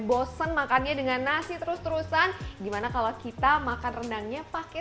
bosen makannya dengan nasi terus terusan gimana kalau kita makan rendangnya pakai